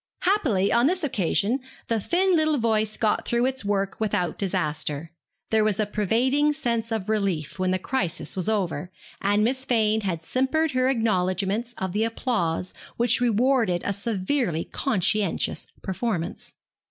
Happily on this occasion the thin little voice got through its work without disaster; there was a pervading sense of relief when the crisis was over, and Miss Fane had simpered her acknowledgments of the applause which rewarded a severely conscientious performance.